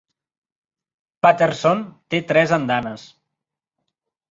Patterson té tres andanes.